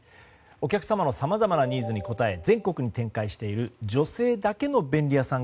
お客様のさまざまなニーズに応え全国に展開している女性だけの便利屋さん